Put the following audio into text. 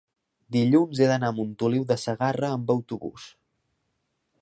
dilluns he d'anar a Montoliu de Segarra amb autobús.